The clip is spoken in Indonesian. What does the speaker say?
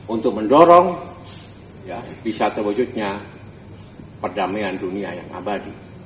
untuk mendorong bisa terwujudnya perdamaian dunia yang abadi